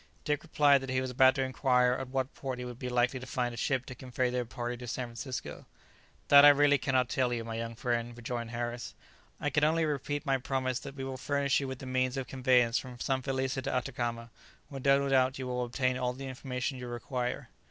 Dick replied that he was about to inquire at what port he would be likely to find a ship to convey their party to San Francisco. "That I really cannot tell you, my young friend," rejoined Harris; "I can only repeat my promise that we will furnish you with the means of conveyance from San Felice to Atacama, where no doubt you will obtain all the information you require."